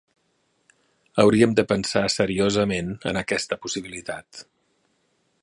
Hauríem de pensar seriosament en aquesta possibilitat.